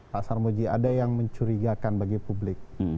pak sarmuji ada yang mencurigakan bagi publik